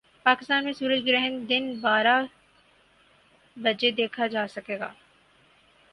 پاکستان میں سورج گرہن دن بارہ بجے دیکھا جا سکے گا